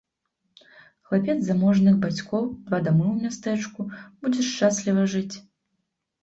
Хлапец заможных бацькоў, два дамы ў мястэчку, будзеш шчасліва жыць.